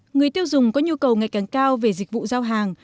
người tiêu dùng có nhu cầu ngày càng cao về dịch vụ giao hàng